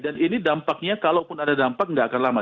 dan ini dampaknya kalau pun ada dampak tidak akan lama